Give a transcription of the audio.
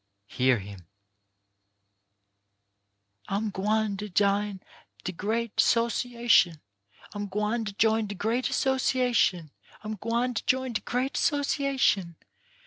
Hear him : I'm gwine to jine de great 'sociation, I'm gwine to jine de great 'sociation, I'm gwine to jine de great 'sociation.